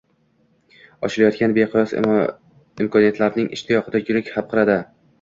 ochilayotgan beqiyos imkoniyatlarning ishtiyoqida yurak hapqiradi.